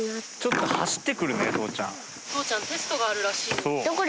父ちゃんテストがあるらしいよ。